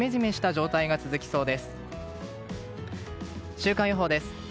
週間予報です。